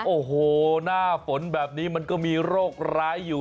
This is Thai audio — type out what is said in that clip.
โอ้โหหน้าฝนแบบนี้มันก็มีโรคร้ายอยู่